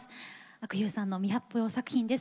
阿久悠さんの未発表作品です。